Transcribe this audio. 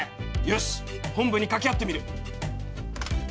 よし本部に掛け合ってみる！